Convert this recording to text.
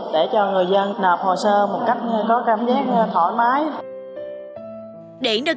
để cho người dân nộp hồ sơ một cách có cảm giác thoải mái